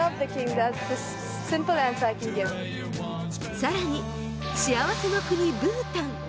更に幸せの国ブータン。